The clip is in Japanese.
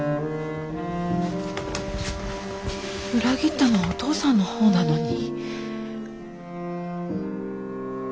裏切ったのはお父さんの方なのに。